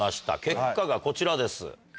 結果がこちらです。